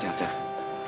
sehat sehat ya